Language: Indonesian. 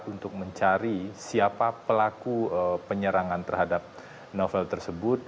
untuk mencari siapa pelaku penyerangan terhadap novel tersebut